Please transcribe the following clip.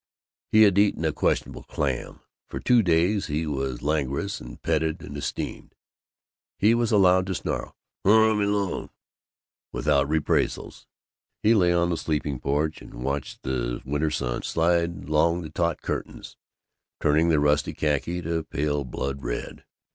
He had eaten a questionable clam. For two days he was languorous and petted and esteemed. He was allowed to snarl "Oh, let me alone!" without reprisals. He lay on the sleeping porch and watched the winter sun slide along the taut curtains, turning their ruddy khaki to pale blood red.